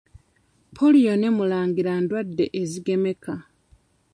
Pooliyo ne mulangira ndwadde ezigemeka.